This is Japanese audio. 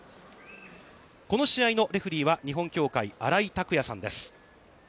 この試合のレフリーは、日本協会、新井卓也さんです。